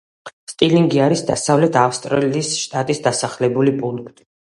სტირლინგი არის დასავლეთ ავსტრალიის შტატის დასახლებული პუნქტი.